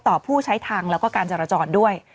ผู้ใช้ทางแล้วก็การจราจรด้วย